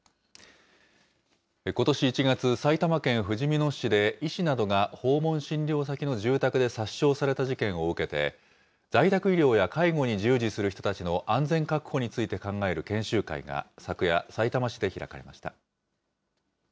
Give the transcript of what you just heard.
ことし１月、埼玉県ふじみ野市で医師などが訪問診療先の住宅で殺傷された事件を受けて、在宅医療や介護に従事する人たちの安全確保について考える研修会が昨夜、さいたま市で開かれました。